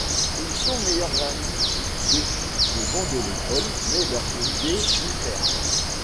Ils sont meilleurs amis depuis les bancs de l'école mais leurs idées diffèrent.